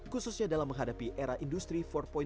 khususnya dalam menghadapi era industri empat